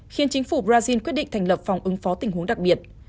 khiến chính phủ brazil quyết định thành lập phòng ứng phó tình huống đặc biệt